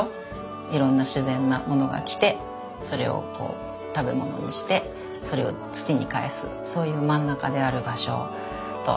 いろんな自然なものが来てそれをこう食べ物にしてそれを土に返すそういう真ん中である場所と思ってます。